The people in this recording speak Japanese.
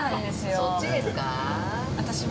そっちですか？